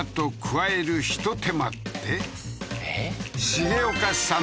重岡さん